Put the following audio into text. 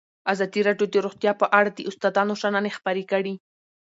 ازادي راډیو د روغتیا په اړه د استادانو شننې خپرې کړي.